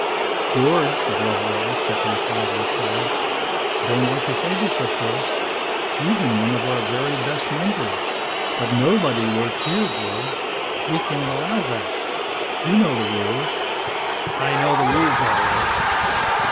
"George," said Loveral, stepping quietly forward, "I don't like to say this, of course. You've been one of our very best members. But nobody works here, George. We can't allow that. You know the rules." "I know the rules, all right."